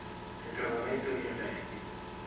Ritrovamento di reperti.